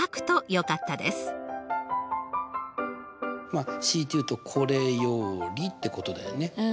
まあ強いて言うとこれよりってことだよね。